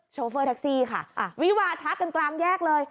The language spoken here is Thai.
โชเฟอร์ทักซีค่ะวีวาทาคกลางแยกเลย